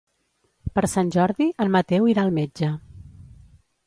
Per Sant Jordi en Mateu irà al metge.